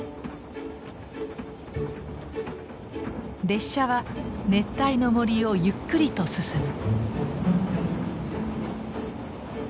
列車は熱帯の森をゆっくりと進む。